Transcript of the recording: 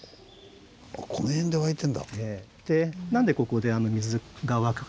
この辺で湧いてんだ。